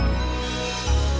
aku mau ke rumah